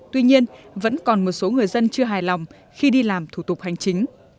tuy nhiên vẫn còn một số người dân chưa hài lòng khi đi làm thủ tục hành chính